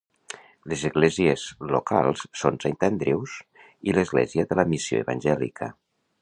Les esglésies locals són Saint Andrews i l'església de la missió evangèlica.